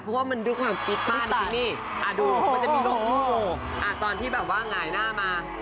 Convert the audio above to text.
คือกางเกงขาดหรอหรือว่าอย่างไร